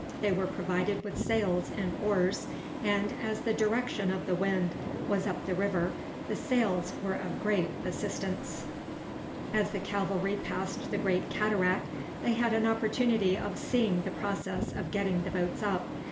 They were provided with sails and oars, and as the direction of the wind was up the river the sails were of great assistance. [Illustration: TOWING THE BOATS UP THE NILE.] As the cavalry passed the Great Cataract they had an opportunity of seeing the process of getting the boats up.